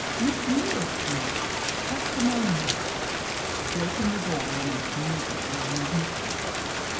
"Miss Lewis, dear." "Just a moment." She opened the door almost immediately and admitted us.